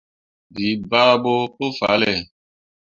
Bii bah ɓo pu fahlle.